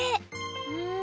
うん。